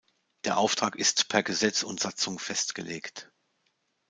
Der Auftrag ist per Gesetz und Satzung festgelegt.